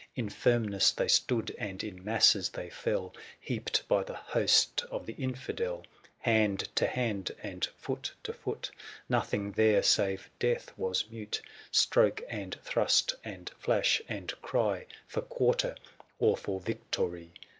In firmness they stood, and in masses they fell, Heaped, by the host of the infidel, 705 Hand to hand, and foot to foot : Nothing there, save death, was mute 4 Stroke, and thrust, and flash, and cry For quarter, or for victory, 40 THE SIEGE OF CORINTH.